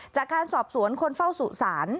จากการสอบสวนคนเฝ้าสุสาน